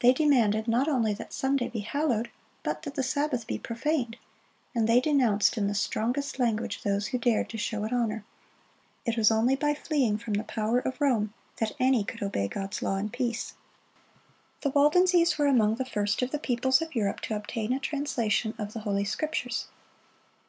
They demanded not only that Sunday be hallowed, but that the Sabbath be profaned; and they denounced in the strongest language those who dared to show it honor. It was only by fleeing from the power of Rome that any could obey God's law in peace. The Waldenses were among the first of the peoples of Europe to obtain a translation of the Holy Scriptures.